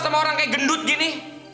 sama orang kayak gendut gini